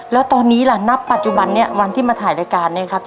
แล้วตอนนี้ล่ะณปัจจุบันนี้วันที่มาถ่ายรายการเนี่ยครับ